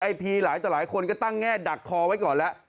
พีหลายต่อหลายคนก็ตั้งแง่ดักคอไว้ก่อนแล้ว